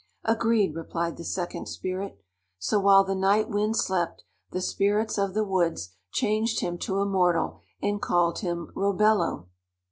"Agreed," replied the second Spirit. So while the Night Wind slept, the Spirits of the Woods changed him to a mortal and called him Robello.